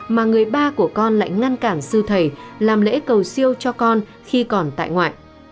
mà người ba của con lại ngăn cản sư thầy làm lễ cầu siêu cho con khi còn tại ngoại